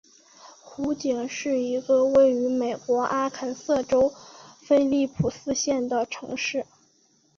湖景是一个位于美国阿肯色州菲利普斯县的城市。